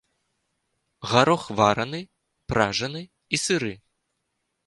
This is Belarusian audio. Гарох вараны, пражаны і сыры.